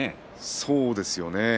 そうですね。